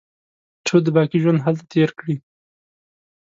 څو د باقي ژوند هلته تېر کړي.